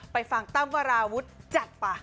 ไปฟังตั้งประราวุธจัดป่ะ